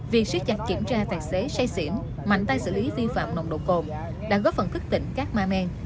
việc siết chặt kiểm tra tài xế say xỉn mạnh tay xử lý vi phạm nồng độ cồn đã góp phần thức tỉnh các ma men